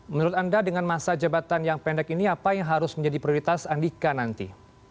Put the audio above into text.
menurut anda dengan masa jabatan yang pendek ini apa yang harus menjadi prioritas andika nanti